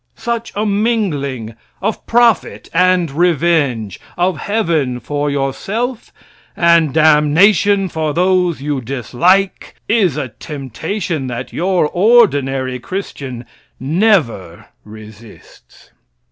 Such a mingling of profit and revenge, of heaven for yourself and damnation for those you dislike, is a temptation that your ordinary Christian never resists.